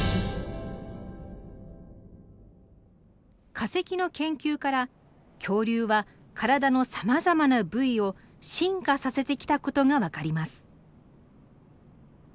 化石の研究から恐竜は体のさまざまな部位を進化させてきたことが分かります。